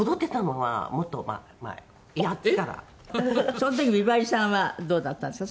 その時美波里さんはどうだったんですか？